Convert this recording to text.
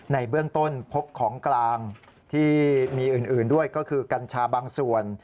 ในเบื้องต้นพบของกลางที่มีอื่นด้วยก็คือกัญชาบางส่วน